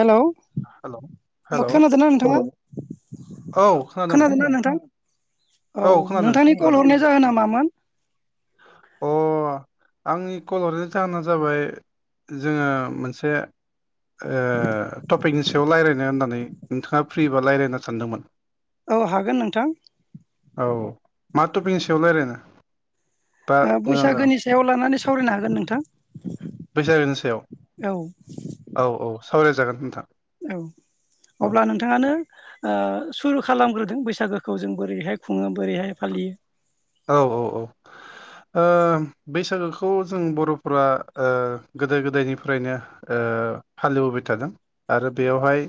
Hello hello हेल' [inaudible] औ खोनादोंना नोंथाङा? खोनादों खोनादोंना नोंथां? औ खोनादों नोंथांनि कल खोनादों हरनाय जाहोना मामोन? अ अ आंनि कल हरनायनि जाहोना जाबाय जोङो मोनसे ओ टपिकनि सायाव रायलायनो होननानै नोंथाङा फ्रिबा रायलायनो सानदोंमोन औ हागोन नोंथां। औ मा टपिकनि सायाव रायलायनो? ओ बैसागोनि सायाव लानानै सावरायनो हागोन नोंथां? बैसागोनि सायाव? औ औ औ सावरायजागोन नोंथां। औ औ अब्ला नोंथाङानो ओ सुरु खालामग्रो बैसागोखौ जों बोरैहाय खुङो बोरैहाय फालियो औ औ औ ओ बैसागोखौ जों बर'फोरा ओ गोदो गोदायनिफ्रायनो ओ ओ फालिबोबाय थादों आरो बेयावहाय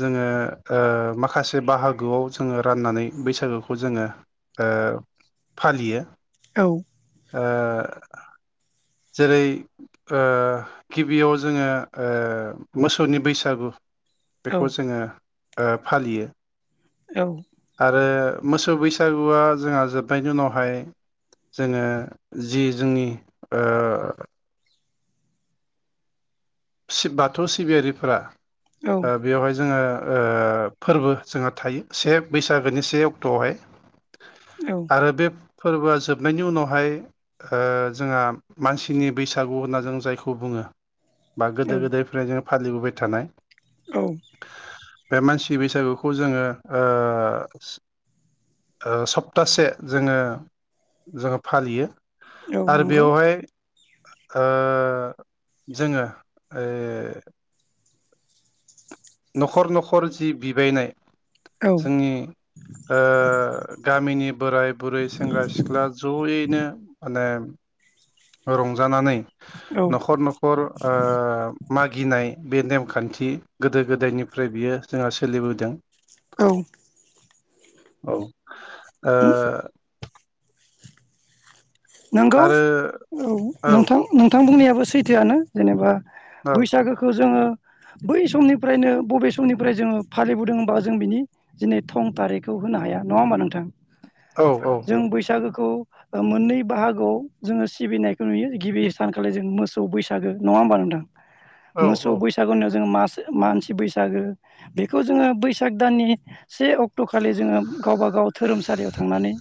जोङो ओ माखासे बाहागोआव जोङो राननानै बैसागोखौ जोङो ओ फालियो औ [inaudible] ओ [inaudible] जेरै ओ गिबियाव जोङो ओ मोसौनि बैसागु औ बेखौ जोङो ओ फालियो औ [inaudible] आरो मोसौ बैसागुआ जोंहा जोबनायनि उनावहाय जोङो जि जोंनि ओ सिब बाथौ सिबियारिफोरा औ बेवहाय जोङो ओ फोरबो जोंहा थायो से बैसागोनि से अक्ट'आवहाय औ आरो बे फोरबोआ जोबनायनि उनावहाय ओ जोंहा मानसिनि बैसागु होनना जों जायखौ बुङो बा गोदो औ गोदायनिफ्राय जों फालिबोबाय थानाय औ। बे मानसि बैसागुखौ जोङो ओ ओ सप्तासे जोङो जोङो फालियो औ आरो नंगौ बेवहाय ओ जोङो ए न'खर न'खर जि बिबायनाय औ जोंनि ओ गामिनि बोराय बुरै सेंग्रा सिख्ला जयैनो माने रंजानानै औ न'खर न'खर ओ मागिनाय बे नेमखान्थि गोदो गोदायनिफ्राय बियो जोंहा सोलिबोदों। औ। औ ओ नोंगौ आरो औ औ नोंथां नोंथां बुंनायाबो सैथोआनो जेनेबा औ बैसागोखो जोङो बै समनिफ्रायनो बबे समनिफ्राय जोङो फालिबोदों होमबा जों बिनि दिनै थं थारिखखौ होनो हाया नङा होमबा नोंथां? औ जों बैसागोखौ ओ मोननै बाहागोआव जोङो सिबिनायखौ नुयो गिबि सथानखालि जों मोसौ बैसागो नङा होमबा नोंथां औ मोसौ औ बैसागुनियाव जोङो मास सो मानसि बैसागो बेखौ जोङो बैसाग दाननि से अक्ट' खालि जोङो गावबा गाव धोरोमसालियाव थांनानै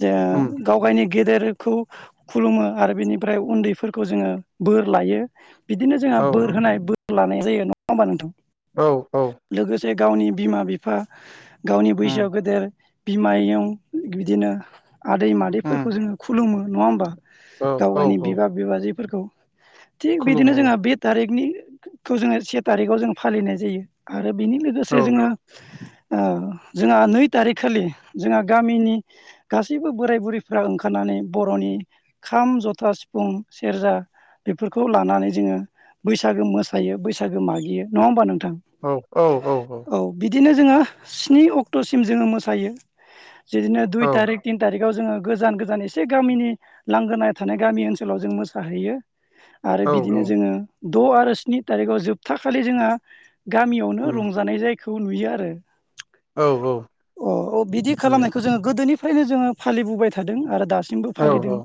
जोङो उम गाव गायनि गेदेरखौ खुलुमो आरो बेनिफ्राय उन्दैफोरखौ जोङो बोर लायो । बिदिनो जोंहा औ बोर होनाय बोर लानाय जायो नङा होमबा नोंथां । औ औ जे गावनि बिमा बिफा गावनि उम बैसोआव गोदेर बिमायं बिदिनो आदै उम मादैफोरख खुलुमो नङा होमबा औ गाव औ गायनि औ बिबा बिबाजैफोरखौ थिग बिदिनो खुलुमो जोङो बे थारिखनि थु जोङो से थारिखाव जों फालिनाय जायो । आरो बेनि औ लोगोसे जोङो ओ जोंहा नै थारिखखालि जोंहा गामिनि गासैबो बोराय बुरै फ्रा ओंखारनानै बर'नि खाम जथा सिफुं सेरजा बेफोरखौ लानानै जोङो बैसागो मोसायो बैसागो मागियो नङा होमबा नों औ औ औ औ बिदिनो जोङो स्नि अक्ट'सिम जोङो मोसायो जिदिनो दुइ औ थारिख थिन थारिखाव जोङो गोजान गोजान एसे गामिनि लांगोना थानाय गामि ओनसोलाव जों मोसाहैयो । आरो औ बिदिनो औ जोङो द' आरो स्नि थारिखआव जोबथा खालि जोंहा गामियावनो उम रंजानाय जायखौ नुयो आरो औ औ अ अ बिदि दे खालामनायखौ जोङो गोदोनिफ्रायनो जोङो फालिबोबाय थादों आरो दास सिमबो औ फालिदों औ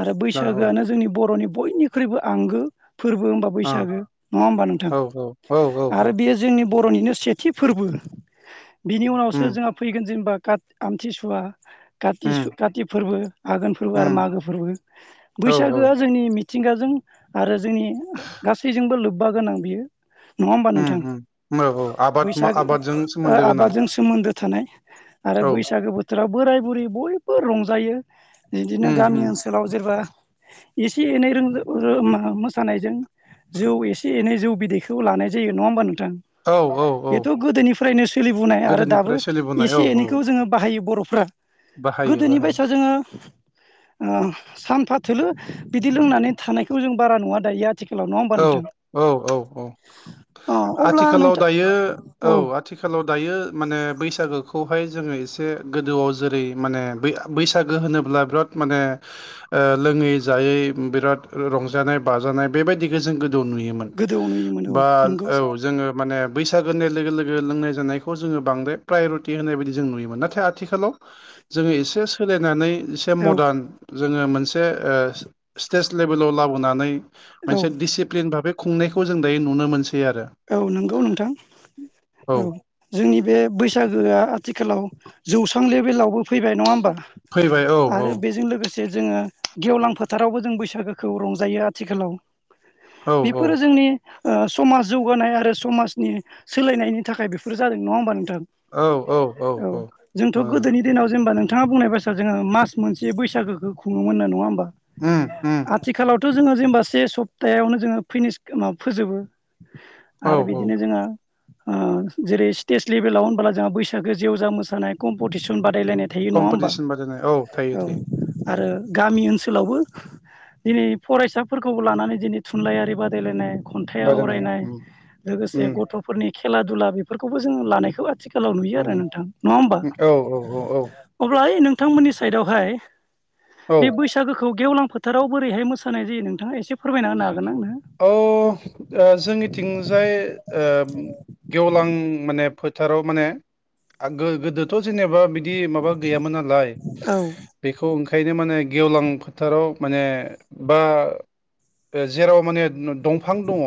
आरो दा औ बैसागोआनो जोंनि बर'नि बयनिख्रुइबो आंगो फोरबो होमबा आ बैसागो नङा होमबा नोंथां औ औ औ औ आरो औ बेयो जोंनि बर'निनो सेथि फोरबो बिनि उनावसो उम जोंहा फैगोन जेनेबा खाथ आमथिसुवा खातिसु उम खाति फोरबो आघोन फोरबो आरो उम मागो फोरबो औ बैसागोआ औ जोंनि मिथ थिंगाजों आरो जोंनि गासैजोंबो लोब्बा गोनां बियो । नङा होमबा नोंथां उम उम औ औ आबाद बैसाग आबादजों ओ सोमोन्दो गोनां आबादजों सोमोन्दो थानाय आरो औ बैसागो बोथोराव बोराय बुरि बयबो रंजायो । इदिनो उम गामि उम ओनसोलाव जेरबा [inaudible] एसे एनै रोंदो रो मोसानायजों जौ एसे एनै जौ बिदैखौ लानाय जायो । नङा होमबा नो थां औ औ औ बेथ' गोदोनिफ्रायनो सोलिबुनाय आरो दाबो गोदोनिफ्राय सोलिबोनाय एसे औ औ एनैखौ जोङो बाहायो बर' बाहायो गोदोनि बाहायो बायसा जोङो ओ सानफा थोलो बिदि लोंनानै थानायखौ जों बारा नङवा दायो आर औ औ औ औ अ अब्ला आथिखालाव नोंथां दायो औ आथिखालाव दायो मानो बैसागोखौ हाय जोङो एसे गोदोआव जेरै माने बैसागो होनोब्ला बिराद माने ओ लोङै जायै बिराद रंजानाय बाजानाय बेबायदि बे जों गोदौ नुयोमोन गोदोआव नुयोमोन औ बा नंगौ औ जोङो माने बैसागो होननाय लोगो लोगो लोंनाय जानायखौ जोङो बांद्राय प्रायरुटि होनाय बायदि जों नुयोमोन नाथाय आथिखालाव जोङो एसे सोलायनानै एसे औ मदान जोङो मोनसे ओ स्टेट लेभेलाव लाबोनानै औ मोनसे दिडिसिप्लिन भाबै खुंनायखौ जों दायो नुनो मोनसै आरो औ नंगौ नोंथां औ जोंनि बे बैसागोआ थिखालाव जौसां लेबेलावबो फैबाय नङा होमबा फैबाय औ औ। जे जोङो गेवलां फोथारावबो जों बैसागोखौ रंजायो आथिखालाव। औ औ बेफोरो जोंनि ओ समाज जौगानाय आरो समाजनि सोलायनायनि थाखाय बेफोर जादों नङा होमबा नोंथां? औ जोंथ' मोजां। गोदोनि दिनाव जेनेबा नोंथां नोंथाङा बुंनाय बास्रा जोङो मास मोनसे बैसागोखौ खुङोमोन नङा होनोमबा? उम उम जोङो जेनेबा से सप्तायावनो जोङो फिनिस माबा फोजोबो। औ आरो औ बिदिनो जोंहा ओ जेरै स्टेट लेभेलाव होनबोला जोंहा बैसागो जेवजा मोसानाय कम्पिटिसन बाद बादायलायनाय थायो नङा होमबा कम्पिटिसन बादायनाय थायो औ थायो आरो गामि ओनसोलावबो दिनै फरायसाफोरखौ लानानै दिनै थुनलाइयारि बादायलायनाय खन्थाइ आवरायनाय बादायनाय फरायनाय उम लोगोसे उम गथ'फोरनि खेला दुला बेफोरखौबो जों लानायखौ आथिखाल गोलाव नुयो आरो उम नोंथां नङा होमबा उम औ औ औ अब्ला नोंथांमोननि साइदआवहाय औ बे बैसागोखौ गेवलां फोथाराव बोरैहाय मोसानाय जायो नोंथाङा एसे फोरमायना होनो हागोन आंनो औ ओ। जोंनिथिंजाय ओ गेवलां माने फो फोथाराव माने आ गोदोथ' जेनेबा बिदि माबा गैयामोन नालाय औ औ बेखौ ओंखायनो माने गेवलां फोथाराव माने बा जेराव माने दंफां दङ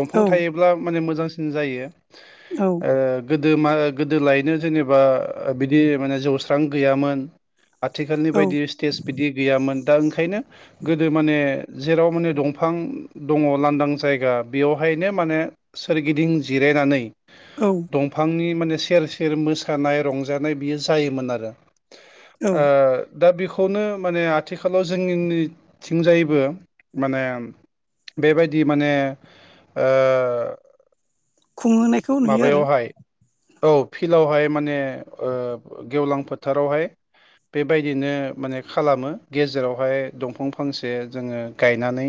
दंफां थायोब्ला माने मोजांसिन जायो औ ओ गोदो गोदोलायनो जेनेबा बिदि माने जौस्रां गैयामोन। आथिखालनि औ बायदि स्टेज बिदि गैयामोन दा ओंखायनो गोदो माने जेराव माने दंफां बिफां दङ लांदां जायगा बेयावहायनो माने सोरगिदिं जिरायनानै औ दंफांनि माने सेर सेर मोसानाय रंजानाय बियो जायोमोन आरो। औ ओ दा बेखौनो माने आथिखालाव जोंनिथिंजायबो माने बेबायदि माने ओ खुंहोनायखौ नुयो आरो माबायावहाय औ फिल्डआवहाय माने ओ गेवलां फोथारावहाय बेबायदिनो माने खालामो गेजेरावहाय दंफां फांसे जोङो गायनानै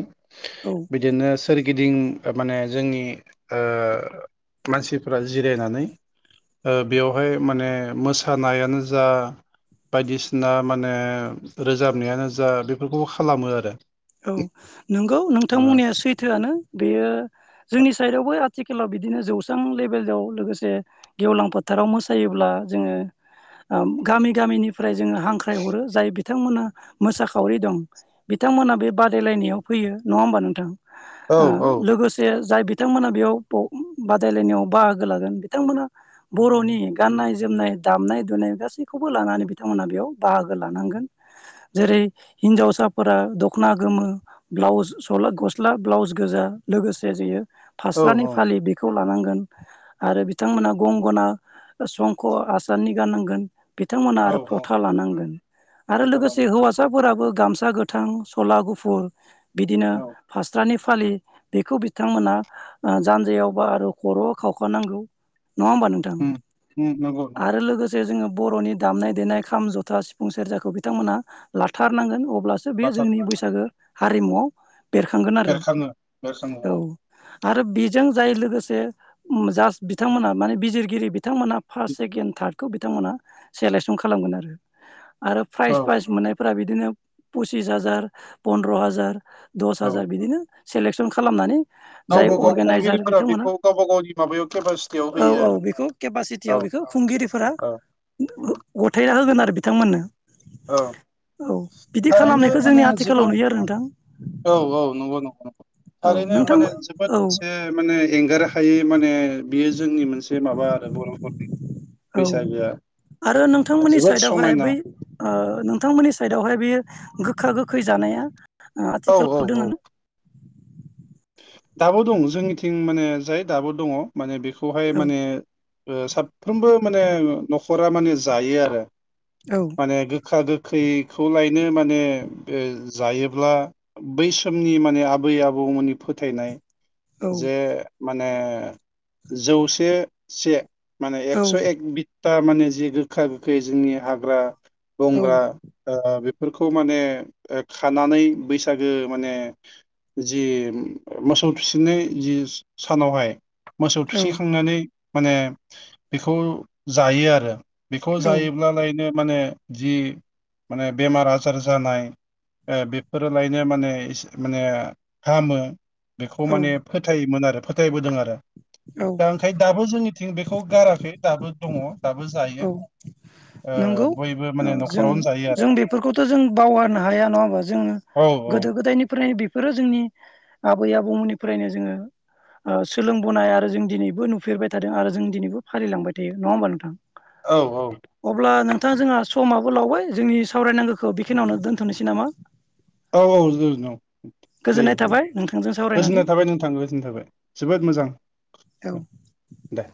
औ बिदिनो सोरगिदिं माने जोंनि ओ मानसिफोरा जिरायनानै ओ बेवहाय माने मोसानायानो जा बायदिसिना माने रोजाबनायानो जा बेफोरखौबो खालामो आरो। औ नंगौ नोंथां ओ बुंनाया सैथोआनो बेयो जोंनि साइडआवबो आथिखालाव बिदिनो जौस्रां लेभेलाव लोगोसे गेवलां फोथाराव मोसायोब्ला जोङो गामि गामिनिफ्राय जोङो हांख्रायहरो जाय बिथांमोना मोसाखावरि दं बिथां बिथांमोना बे बादायलायनायाव फैयो नङा होमबा नोंथां औ लोगोसे जाय बिथांमोना बेयाव बादायलायनायाव बाहागो लागोन बिथांमोना बर'नि गाननाय जोमनाय दामनाय दुनाय गासैखौबो खौबो लानानै बिथांमोना बेयाव बाहागो लानांगोन जेरै हिनजावसाफोरा दखना गोमो ब्लाउस गस्ला ब्लाउस गोजा लोगोसे जोयो औ फास्रानि फालि बेखौ लानांगोन। आरो बिथांमोना गंगना संख आसाननि गाननांगोन। बिथांमोना औ आरो औ फथा लानांगोन आरो फोथारानो लोगोसे हौवासाफोराबो गामसा गोथां सला गुफुर बिदिनो औ फास्रानि फालि बेखौ बिथांमोना जानजियावबा आरो खर'आव खाखानांगौ। नङा होमबा नोंथां उम उम नंगौ नंगौ आरो लोगोसे से जोङो बर'नि दामनाय देनाय खाम जथा सिफुं सेरजाखौ बिथांमोनहा लाथारनांगोन अब्लासो बेयो बाथार जोंनि बैसागो हारिमुआव बेरखांगोन आरो बेरखाङो बेरखाङो औ आरो बेजों जाय लोगोसे जास्ट बिथांमोनहा माने बिजिरगिरि बि बिथांमोनहा फार्स्ट सेकेण्ड थार्दखौ बिथांमोना सेलेकसन खालामगोन आरो। आरो औ प्राइज प्राइज मोननायफोरा बिदिनो पसिस हाजार फनद्र' हाजार दस हाजार बिदिनो सेलेकसन खालामनानै जाय गावबा गाव अर्गेनाइजार खुंगिरिफोरा बिथांमोना बेखौ गावबा गावनि माबायाव केपासिटियाव औ होयो औ आरो बेखौ केपासिटियाव औ बेखौ खुंगिरिफोरा औ उम गथायना होगोन आर बिथांमोननो औ औ बिदि थारैनो खालामनायखौ जोंनि माने आथिखालाव जोबोद नुयो आरो नोंथां औ औ नंगौ नंगौ नंगौ औ थारैनो नोंथां माने जोबोद औ एसे माने एंगार हायै माने बेयो जोंनि मोनसे एसे माबा आरो बर'फोरनि औ बैसागोआ आरो नोंथांमोननि जोबोद साइदावहाय समायना बै ओ नोंथांमोननि साइदावहाय बेयो गोखा गोखै जानाया औ औ आथिखालाव दोङो औ ना दाबो दङ जोंनिथिं माने जाय दाबो दङ माने बेखौहाय माने ओ साफ्रोमबो माने न'खरा माने जायो आरो औ माने गोखा गो खैखौलायनो माने जायोब्ला बै समनि माने आबै आबौमोननि फोथायनाय औ जे माने जौसे से माने औ एकस' एक बिता माने जि गोखा गोखै जोंनि हाग्रा औ बंग्रा ओ बे फोरखौ माने खानानै बैसागो माने जि मोसौ थुसिनाय जि सानावहाय मोसौ थुसिखांनानै माने बेखौ जायो आरो बेखौ जायोब्लालायनो माने जि माने बेमार आजार जानाय ओ बेफोरलायनो माने माने हामो बेखौ औ माने फोथायोमोन आरो फोथायबोदों आरो दा औ ओंखाय दाबो जोंनि थिं बेखौ गाराखै दाबो दङ दाबो जायो औ ओ नंगौ बयबो माने जों न'खरावनो जायो आरो जों बेफोरखौथ' जों बावगारनो हाया नङा होमबा जोङो औ गोदो गोदायनिफ्रायनो बेफोरो जोंनि आबै आबौमोननिफ्रायनो जोङो ओ सोलोंबोनाय आरो जों दिनैबो नुफेरबाय थादों दों आरो जों दिनैबो फालिलांबाय थायो नङा होमबा नोंथां औ अब्ला नोंथां जोंहा समाबो बोलावबाय जोंनि सावरायनांगौखौ बेखिनियावनो दोनथ'नोसै नामा औ औ जों औ गोजोननाय जायो जायो थाबाय नोंथांजों सावरायनानै गोजोननाय थाबाय नोंथां गोजोननाय थाबाय जोबोद मोजां। औ दे